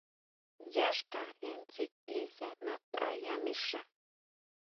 Yá xkajén tsitin sejnatʼa yá mixa.